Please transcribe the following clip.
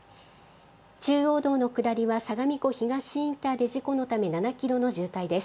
中央道の下りは相模湖東インターで事故のため７キロの渋滞です。